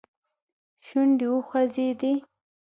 شونډې وخوځېدې.